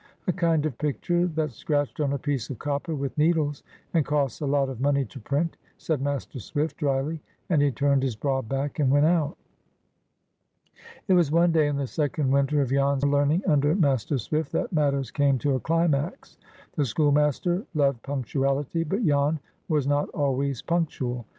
"A kind of picture that's scratched on a piece of copper with needles, and costs a lot of money to print," said Master Swift, dryly; and he turned his broad back and went out. It was one day in the second winter of Jan's learning under Master Swift that matters came to a climax. The schoolmaster loved punctuality, but Jan was not always punctual.